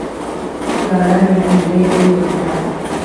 پیاله د نهیلۍ امید ده.